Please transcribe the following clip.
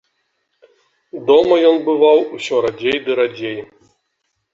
Дома ён бываў усё радзей ды радзей.